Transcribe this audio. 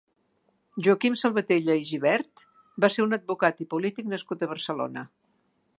Joaquim Salvatella i Gibert va ser un advocat i polític nascut a Barcelona.